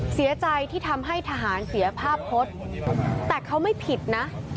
เสียใจที่ทำให้ทหารเสียภาพพจน์แต่เขาไม่ผิดนะ